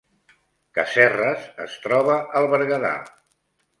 Casserres es troba al Berguedà